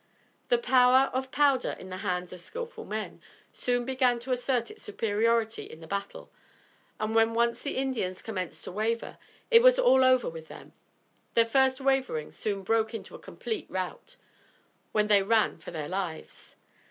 The power of powder in the hands of skillful men soon began to assert its superiority in the battle, and when once the Indians commenced to waver, it was all over with them. Their first wavering soon broke into a complete rout, when they ran for their lives.